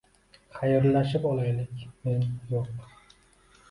Xayrlashib olaylik. Men – yoʻq.